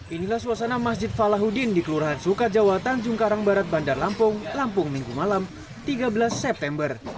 inilah suasana masjid falahuddin di kelurahan sukajawa tanjung karang barat bandar lampung lampung minggu malam tiga belas september